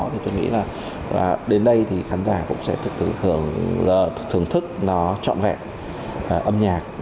thì tôi nghĩ là đến đây thì khán giả cũng sẽ thưởng thức nó trọn vẹn âm nhạc